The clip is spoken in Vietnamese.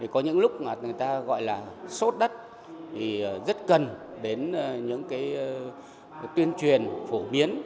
có những lúc người ta gọi là sốt đất rất cần đến những tuyên truyền phổ biến